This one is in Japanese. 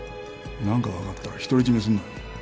何か分かったら独り占めするなよ！